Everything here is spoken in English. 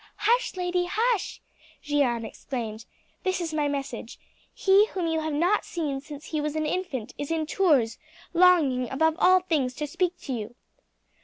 "Hush, lady, hush!" Jeanne exclaimed. "This is my message: 'He whom you have not seen since he was an infant is in Tours, longing above all things to speak to you.'"